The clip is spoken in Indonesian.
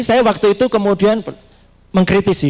saya waktu itu kemudian mengkritisi